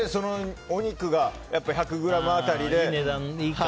お肉が１００ｇ当たりで。